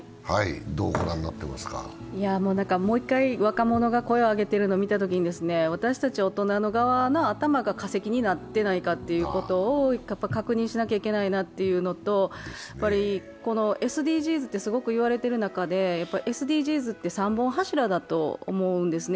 もう１回、若者が声を上げているのを見たときに私たち大人の側の頭が化石になってないかということを確認しなきゃいけないなというのと、ＳＤＧｓってすごく言われている中で、ＳＤＧｓって３本柱だと思うんですね。